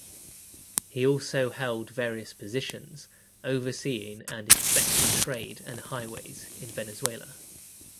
He also held various positions overseeing and inspecting trade and highways in Venezuela.